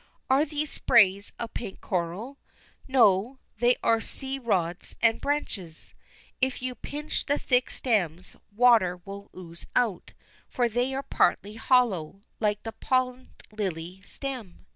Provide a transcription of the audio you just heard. Are these sprays of pink coral? No, they are sea rods and branches. If you pinch the thick stems, water will ooze out, for they are partly hollow, like the pond lily stem.